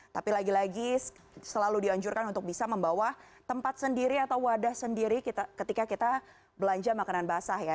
tapi lagi lagi selalu dianjurkan untuk bisa membawa tempat sendiri atau wadah sendiri ketika kita belanja makanan basah ya